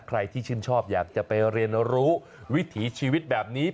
ใครที่ชื่นชอบอยากจะไปเรียนรู้วิถีชีวิตแบบนี้